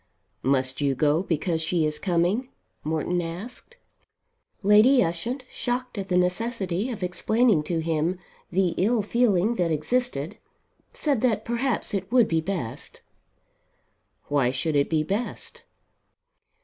"Must you go because she is coming?" Morton asked. Lady Ushant, shocked at the necessity of explaining to him the ill feeling that existed, said that perhaps it would be best. "Why should it be best?"